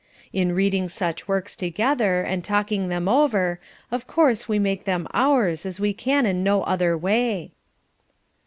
In reading such works together, and talking them over, of course we make them ours as we can in no other way."